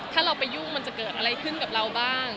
ถ้าเราไปยุ่งมันจะเกิดอะไรขึ้นกับเราบ้าง